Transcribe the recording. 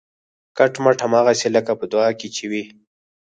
کټ مټ هماغسې لکه په دعا کې چې وي